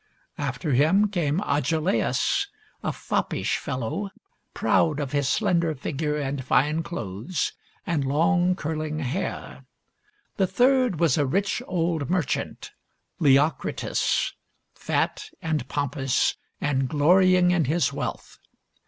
After him came Agelaus, a foppish fellow, proud of his slender figure and fine clothes and long, curling hair. The third was a rich old merchant, Leocritus, fat and pompous, and glorying in his wealth.